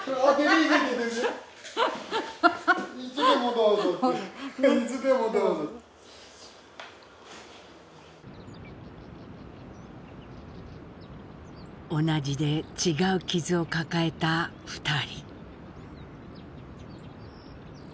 どれだけの“同じで違う”傷を抱えた２人。